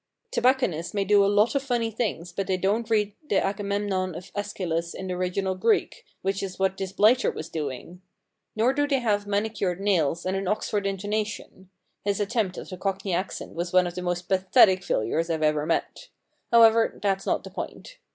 * Tobacconists may do a lot of funny things, but they don't read the Agamemnon of i^lschylus in the original Greek, which is what this blighter was doing. Nor do they have manicured nails and an Oxford intona tion — his attempt at a Cockney accent was one of the most pathetic failures I've ever met. However, that's not the point.